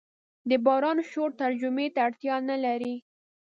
د باران شور ترجمې ته اړتیا نه لري.